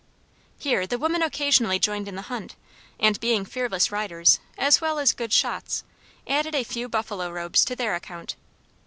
Here the women occasionally joined in the hunt, and being fearless riders as well as good shots added a few buffalo robes to their own account.